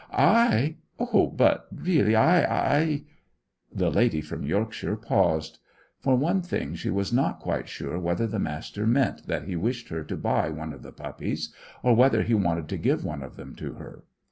"I? Oh, but, really, I I " The lady from Yorkshire paused. For one thing she was not quite sure whether the Master meant that he wished her to buy one of the puppies, or whether he wanted to give one of them to her.